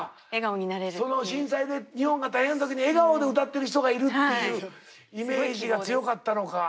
震災で日本が大変だった時に笑顔で歌ってる人がいるっていうイメージが強かったのか。